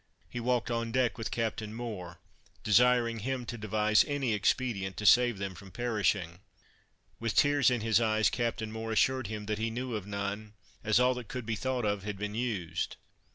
He walked on deck with Captain Moore, desiring him to devise any expedient to save them from perishing. With tears in his eyes, Captain Moore assured him that he knew of none, as all that could be thought of had been used.